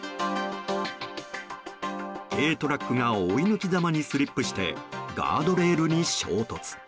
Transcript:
軽トラックが追い抜きざまにスリップしてガードレールに衝突。